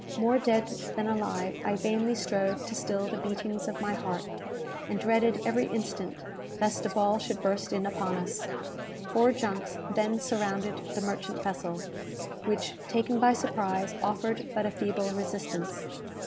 More dead than alive, I vainly strove to still the beatings of my heart, and dreaded every instant lest a ball should burst in upon us. Four junks then surrounded the merchant vessel, which, taken by surprise, offered but a feeble resistance.